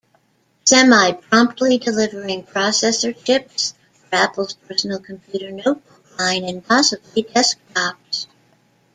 Semi promptly delivering processor chips for Apple's personal computer notebook line and possibly desktops.